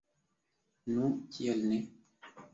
Nu, kial ne?